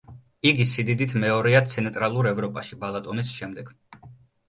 იგი სიდიდით მეორეა ცენტრალურ ევროპაში ბალატონის შემდეგ.